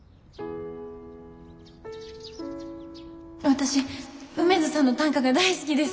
私梅津さんの短歌が大好きです。